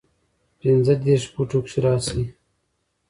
پنځۀدېرش فوټو کښې راشي